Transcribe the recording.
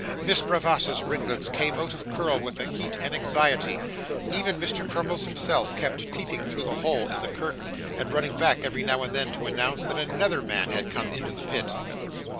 Miss Bravassa's ringlets came out of curl with the heat and anxiety; even Mr. Crummles himself kept peeping through the hole in the curtain, and running back, every now and then, to announce that another man had come into the pit.